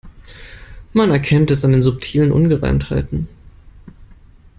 Man erkennt es an subtilen Ungereimtheiten.